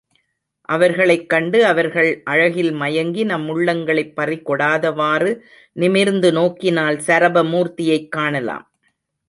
அவர்களைக் கண்டு அவர்கள் அழகில் மயங்கி நம் உள்ளங்களைப் பறிகொடாதவாறு நிமிர்ந்து நோக்கினால், சரப மூர்த்தியைக் காணலாம்.